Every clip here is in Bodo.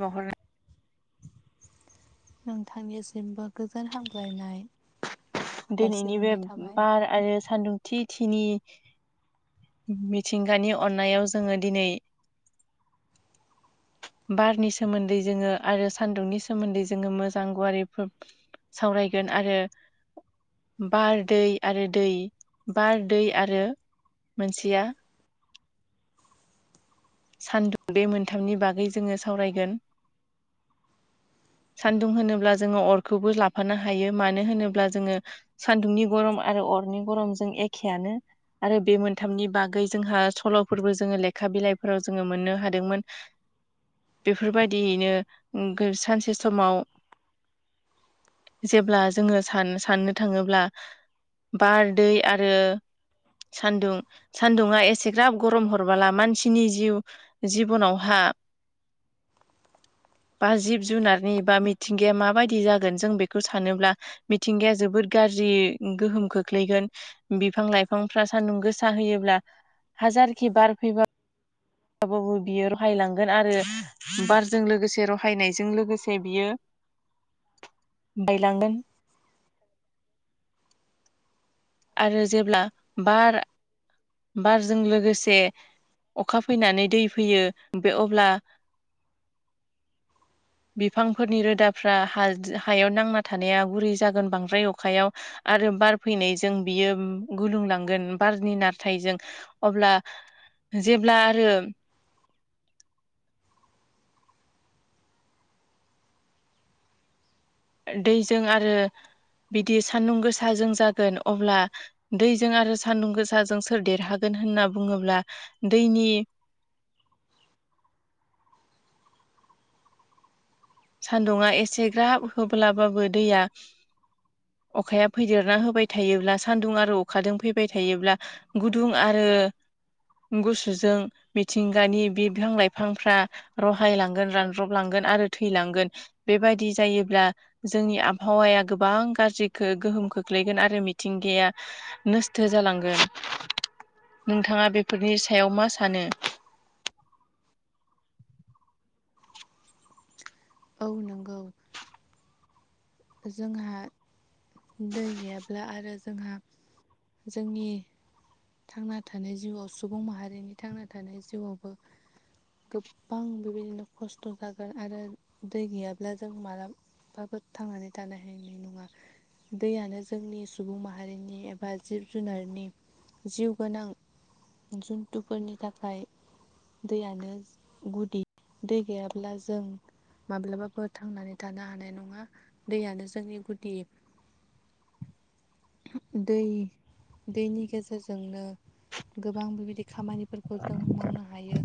महर नोंथांनिसिमबो गोजोन हामग्लायनाय दिनैनि बे जासिहरनाय थाबाय बार आरो सान्दुं थिथिनि मिथिंगानि अननायाव जोङो दिनै बारनि सोमोन्दै जोङो आरो सान्दुंनि सोमोन्दै जोङो मोजां गुवारै सावराय सावरायगोन आरो बार दै आरो दै बार दै आरो मोनसेया सान्दुं बे मोनथामनि बागै जोङो सावरायगोन सान्दुं होनोब्ला जोङो अरखौबो लाफानो हायो मानो होनोब्ला जोङो सान्दुंनि गरम आरो अरनि गरम जों एखेआनो आरो बे मोनथामनि बागै जोंहा सल'फोरबो जोङो लेखा बिलाइ फोराव जोङो मोननो हादोंमोन बेफोरबायदियैनो सानसे समाव जेब्ला जोङो सान साननो थाङोब्ला बार दै आरो सान्दुं सान्दुंङा एसेग्राब गरम हरबोला मानसि नि जिउ जिबनावहा बा जिब जुनारनि बा मिथिंगाया माबायदि जागोन जों बेखौ सानोब्ला मिथिंगाया जोबोद गाज्रि गोहोम खोख्लैगोन बिफां लाइफांफ्रा सान्दुं गोसा होयोब्ला हाजार के बार फिबार [inaudible] गाबाबो बियो रहायलांगोन आरो बारजों लोगोसे रहायनायजों लोगोसे बियो बायलांगोन [inaudible] आरो जेब्ला बार बारजों लोगोसे अखा फैनानै दै फैयो बे अब्ला [inaudible] बिफांफोरनि रोदाफ्रा हायाव नांना थानाया गुरै जागोन बांद्राय अखायाव आरो बार फैनायजों बियो गुलुंलांगोन बारनि नार फाइ ज [unintelligible] अब्ला जेब्ला आरो दैजों आरो बिदि सान्दुं गोसाजों जागोन अब्ला दैजों आरो सान्दुं गोसाजों सोर देरहागोन होनना बुङोब्ला दैनि [inaudible] सान्दुङा एसे ग्राब होब्लाबाबो दैया अखाया फैदेरना होबाय थायोब्ला सान्दुं आरो अखाजों फैबाय थायोब्ला गुदुं आरो द [inaudible] गुसुजों मिथिंगानि बिफां लाइफांफ्रा रहायलांगोन रानब्रबलांगोन आरो थैलांगोन बेबायदि जायोब्ला जोंनि आबहावाया गोबां गाज्रिखौ गोहोमखौ गोग्लैगोन आरो मिथिंगाया नस्थ' जालांगोन नोंथाङा बेफोरनि सायाव मा सानो [inaudible] औ नंगौ जोंहा दै गैयाब्ला आरो जोंहा जोंनि थांना थानाय जिउआव सुबुं माहारिनि थांना थानाय जिउआवबो गोबां बेबायदिनो खस्थ' जागोन आरो दै गैयाब्ला जों मालाब बाबो थांनानै थानो हायनाय नङा दैयानो जोंनि सुबुं माहारिनि एबा जिब जुनारनि जिउ गोनां जन्थुफोरनि थाखाय दैयानो गुदि दै गैयाब्ला जों माब्लाबाबो थांनानै थानो हानाय नङा दैयानो जोंनि गुदि दै दैनि गेजेरजोंनो गोबां बेबायदि खामानिफोरखौ जों मावनो हायो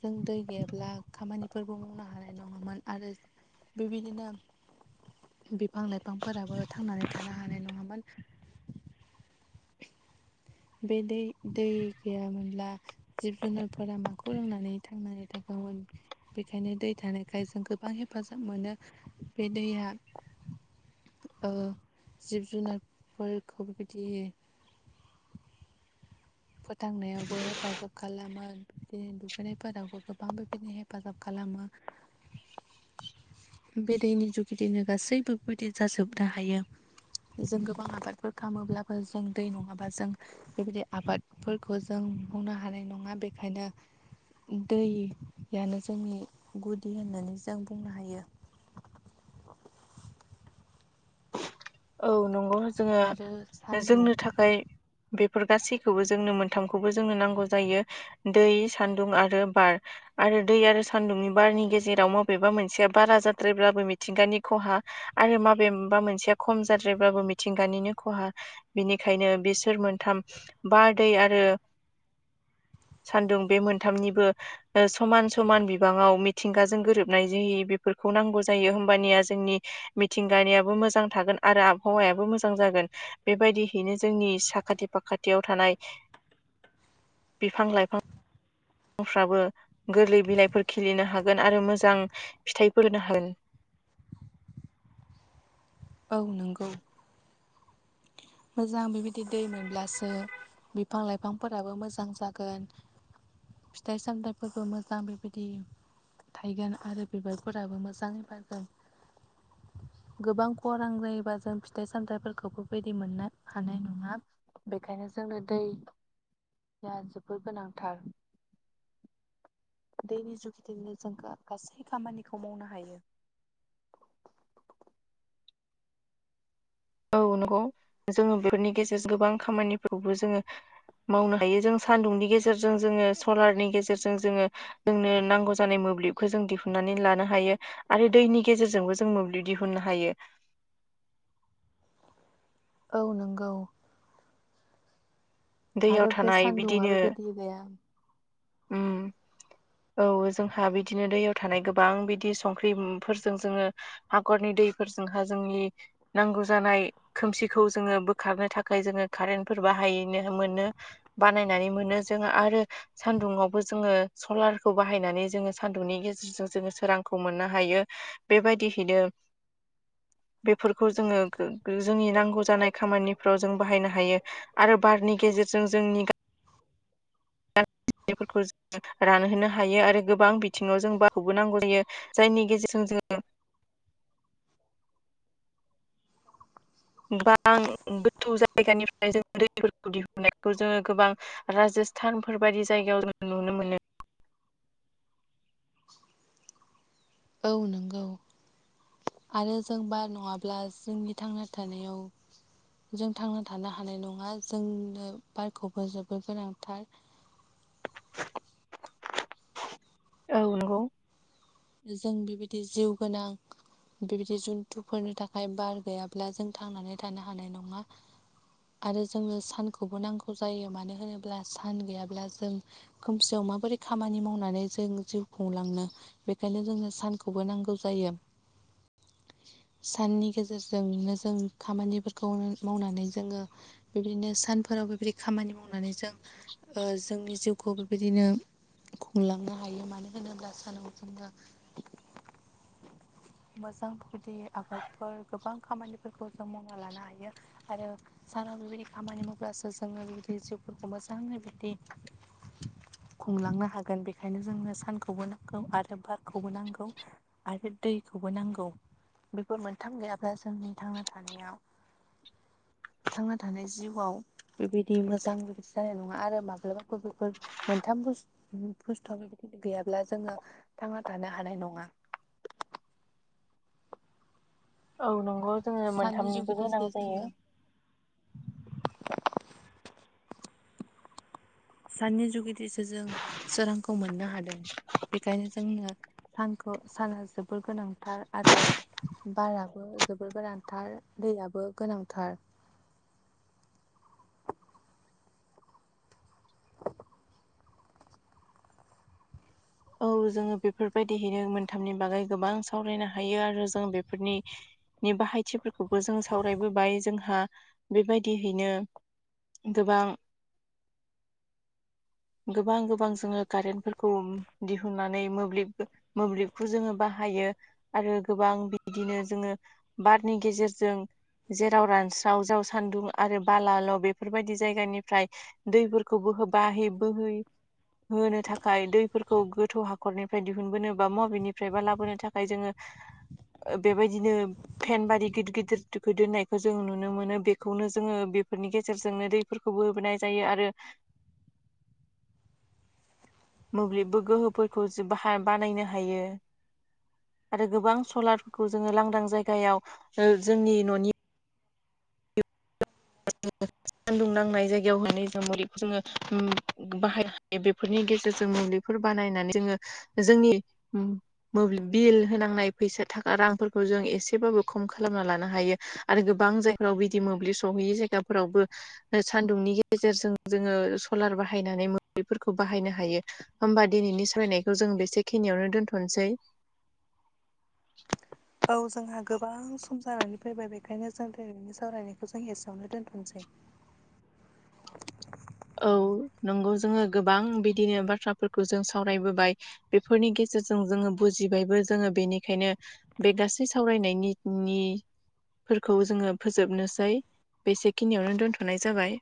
जों दै गैयाब्ला खामानिफोरबो मावनो हानाय नङामोन आरो बेबायदिनो बिफां लाइफांफोराबो थांनानै थानो हायो [inaudible] बे दै दै गैयामोनब्ला जिब जुनारफोरा माखौ लोंनानै थांनानै थोन बेखायनो दै थानायखाय जों गोबां हेफाजाब मोनो बे दैया [inaudible] जिब जुनारफोरखौ बेबायदि फोथांनायावबो हेफाजाब खालामो बिदिनो दुगैनायफोरावबो गोबां बेबायदिनो हेफाजाब खालामो खालामो बे दैनि जुगिदिनो गासैबो बेबायदि जाजोबनो हायो जों गोबां आबादफोर खालामोब्लाबो जों दै नङाबा जों बेबायदि आबाद फोरखौ जों नुहनो हानाय नङा बेखायनो दैयानो जोंनि गुदि होननानै जों बुंनो हायो [inaudible] औ नंगौ जोङो आरो सान्दुं जोंनो थाखाय बे बेफोर गासैखौबो जोंनो मोनथामखौबो जोंनो नांगौ जायो दै सान्दुं आरो बार आरो दै आरो सान्दुंनि बारनि गेजेराव मबेबा मोनसेया बारा जाद्रायब्लाबो मिथिंगानि खहा आरो माबेमबा मोनसेया खम जाद्रायब्लाबो मिथिंगानिनो खहा बिनिखायनो बिसोर मोनथाम बार दैै आरो [unintelligible] सान्दुं बे मोनथामनिबो समान समान बिबाङाव मिथिंगाजों गोरोबनाय जायो बेफोरखौ खौ नांगौ जायो होमबानिया जोंनि मिथिंगारियाबो मोजां थागोन आरो आबहावायाबो मोजां जागोन बेबायदिहैनो जोंनि साखाथि फाखाथियाव थानाय [unintelligible] बिफां लाइफां आफ्राबो गोरलै बिलाइफोर खिलिनो हागोन आरो मोजां फिथाइफोरो हागोन औ नंगौ मोजां बेबायदि दै मोनब्लासो बिफां लाइफांफोराबो मोजां जागोन फिथाइ सामथाइफोरबो मोजां बेबायदि थायगोन आरो बिबारफोराबो मोजां बारगोन गोबां खरां जायोबा जों फिथाइ सामथायाइफोरखौ बेबायदि मोननो हानाय नङा बेखायनो जोंनो दै जहा जोबोद गोनांथार दैनि जुगिदोंनो जों गासै खामानिखौ मावनो हायो [unintelligible] औ नंगौ जोङो बेफोरनि गेजेरजों गोबां खामानिफोरखौबो जोङो मावनो हायो जों सान्दुंनि गेजेरजों जोङो सलारनि गेजेरजों जोङो जोंनो नांगौ जानाय मोन म्लिबखौ जों दिहुननानै लानो हायो आरो दैनि गेजेरजोंबो जों मोब्लिब दिहुननो हायो [unintelligible] औ नंगौ आरो दैयाव बे थानाय सान्दुंङा बिदिनो बो बेबादि गैया उम [unintelligible] औ जोंहा बिदिनो दैयाव थानाय गोबां बिदि संख्रिफोरजों जोङो हाखरनि दैफोरजोंहा जोंनि नांगौ जानाय खोमसिखौ जोङो बोखारनो थाखाय जोङो कारेन्टफोर बाहायो नो मोन बानायनानै मोन जों आरो सान्दुंङावबो जोङो सलारखौ बाहायनाय नानै जोङो सान्दुंनि गेजेरजों जोङो सोरांखौ मोननो हायो बेबायदिहैनो [unintelligible] बेफोरखौ जोङो जोंनि नांगौ जानाय खामानिफ्राव जों बाहायनो हायो आरो बारनि गेजेरजों जोंनि [unintelligible] बेफोरखौ जों रानहोनो हायो आरो गोबां बिथिङाव जों बारखौबो नांगौ जायो जायनि गेजेरजों जोङो [unintelligible] गोबां गोथौ जायगानिफ्राय जों दैफोरखौ दिहुनो जायखौ जोंङो गोबां राजस्थानफोर बायदि जायगायाव जों नुनो मोनो औ नंगौ आरो जों बार नङाब्ला जोंनि थांना थानायाव जों थांना थानो हानाय नङा जोंनो बारखौबो जोबोद गोनांथार [unintelligible] औ नंगौ जों बेबायदि जिउ गोनां बेबायदि जन्थुफोरनि थाखाय बार गैयाब्ला जों थांनानै थानो हानाय नङा आरो जोंनो सानखौबो नांगौ जायो मानो होनोब्ला सान गैयाब्ला जों खोमसियाव माबोरै खामानि मावनानै जों जिउ खुंलांनो ओंखायनो जोंनो सानखौबो नांगौ जायो साननि गेजेरजोंनो जों खामानिफोरखौ मावनानै जोङो बेबायदिनो सान फोराव बेबायदि खामानि मावनानै जों ओ जोंनि जिउखौ बेबायदिनो खुंलांनो हायो मानो होनोब्ला सानाव जोङो मोजां गुदि आबादफोर गोबां खामानिफोरखौ जों मावना लानो हायो आरो बाव बेबायदि खामानि मावब्लासो जोङो बिबायदि जिउफोरखौ मोजाङै बिदि खुंलांनो हागोन बेखायनो जोंनो सानखौबो नांगौ आरोबा खौबो नांगौ आरो दैखौबो नांगौ बेफोर मोनथाम गैयाब्ला जोंनि थांना थानायाव थांना थानाय जिउआव बेबायदि मोजां बेबायदि जानाय नङा आरो माब्लाबाफोर बेफोर मोनथाम बुस बुसथुआ बेबायदि गैयाब्ला जोङो थांना थानो हानाय नङा औ नंगौ जोङो साननि मोनथामनिबो गोनां जुगिदिसो जायो जोङो साननि जुगिदिसो जों सोरांखौ मोननो हादों बेखायनो जोंनो सानखौ साना जोबोर गोनांथार आरो बाराबो जोबोर गोनांथार दैयाबो गोनांथार [inaudible] औ जों बेफोरबायदिनो मोनथामनि बागै गोबां सावरायनो हायो आरो जों बेफोरनि बाहायथिफोरखौबो जों सावरायबोबाय जोंहा बेबायदियैनो गोबां गोबां गोबां जोङो गारेनफोरखौ दिहुननानै मोब्लिब मोब्लिबखौ जोङो बाहायो आरो गोबां बिदिनो जोङो बारनि गेजेरजों जेराव रानस्राव ज्राव सान्दुं आरो बालाल' बेफोरबायदि जायगानिफ्राय दैफोरखौबो होबा हेबै बोहै होनो थाखाय दैफोरखौ खौ गोथौ हाखरनिफ्राय दिहुनबोनो बा मबेनिफ्राय बा लाबोनो थाखाय जोङो बेबायदिनो फेनबादि गिदिर गिदिर दुखै दोननायखौ जों नुनो मोनो बेखौनो जोङो बेफोरनि गेजेरजोंनो दैफोरखौबो होबोनाय जायो आरो [inaudible] [unintelligible] मोब्लिबबो गोहोफोरखौ ज बाह बानायनो हायो। आरो गोबां सलारफोरखौ जोङो लांदां जायगायाव जोंनि न'नि [unintelligible] [inaudible] सान्दुं नांनाय जायगायावहै जों मुलिखौ जोङो बाहायनो हायो बेफोरनि गेजेरजों मुलि बनानै जो जोंनि मोब्लिब बिल होनांनाय फोयसा थाखा रांफोरखौ जों एसेबाबो खम खालामनो लानो हायो आरो गोबां जायफोराव मोब्लिब सहैयै जायगा। जायगाफोरावबो फोरावबो सान्दुंनि गेजेरजों जोङो सलार बाहायनानै मोब्लिबफोरखौ बाहायनो हायो। होमबा दिनैनि सालायनायखौ जों बेसे खिनियावनो दोनथ'नोसै [inaudible] [unintelligible] [inaudible] [inaudible] [unintelligible] औ जोंहा गोबां सम जानानै फैबाय बेखायनो जों दिनैनि सावरायनायखौ जों एसेयावनो दोनथ'नोसै [inaudible] [unintelligible] औ नंगौ जोङो गोबां बिदिनो बाथ्राफोरखौ जों सावरायबोबाय बेफोरनि गेजेराव जों जोङो बुजिबायबो जोङो बेनिखायनो बे गासै सावरायनायनि नि फोरखौ जोङो फोजोबनोसै बेसेखिनियावनो दोन्थ'नाय जाबाय।